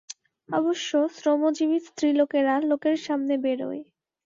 অবশ্য শ্রমজীবী স্ত্রীলোকেরা লোকের সামনে বেরোয়।